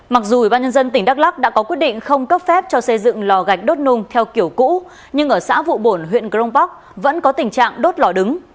mặc dù ủy ban nhân dân tỉnh đắk lắc đã có quyết định không cấp phép cho xây dựng lò gạch đốt nung theo kiểu cũ nhưng ở xã vụ bồn huyện grong park vẫn có tình trạng đốt lò đứng